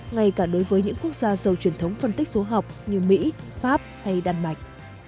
ngay cả đối với những quốc gia giàu truyền thống phân tích số học như mỹ pháp hay đan mạch